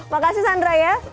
makasih sandra ya